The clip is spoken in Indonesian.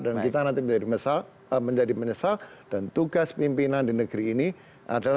dan kita nanti menjadi menyesal